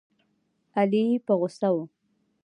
علي په غوسه و.